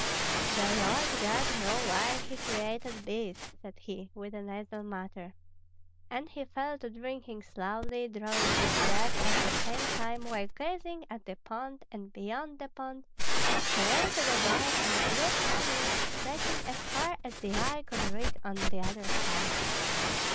"The Lord God knew why he created bees," said he, with a nasal mutter. And he fell to drinking slowly, drawing deep breaths at the same time, while gazing at the pond and beyond the pond, away to the dark and blue pine woods stretching as far as the eye could reach on the other side.